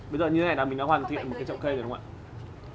bây giờ như thế này là mình đã hoàn thiện một cái trọng cây đúng không ạ